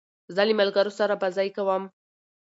زه له ملګرو سره بازۍ کوم.